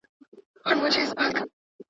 کله چي دښمنان پر مسلمانانو باندي هجوم راوړي.